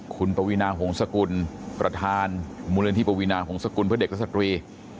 คุณปวีนาหงษกุลประธานมูลนิธิปวีนาหงษกุลเพื่อเด็กและสตรี